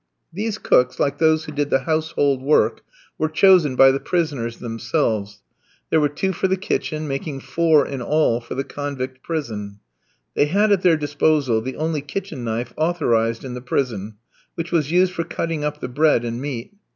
These cooks, like those who did the household work, were chosen by the prisoners themselves. There were two for the kitchen, making four in all for the convict prison. They had at their disposal the only kitchen knife authorised in the prison, which was used for cutting up the bread and meat.